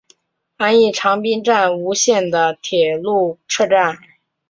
安艺长滨站吴线的铁路车站。